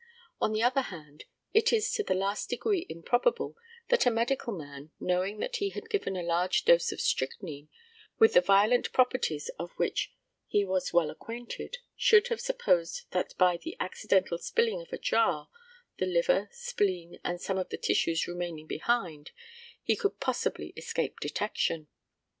On the other hand, it is to the last degree improbable that a medical man, knowing that he had given a large dose of strychnine, with the violent properties of which he was well acquainted, should have supposed that by the accidental spilling of a jar the liver, spleen, and some of the tissues remaining behind he could possibly escape detection.